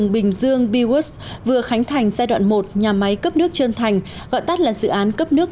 bình dương bews vừa khánh thành giai đoạn một nhà máy cấp nước trơn thành gọi tắt là dự án cấp nước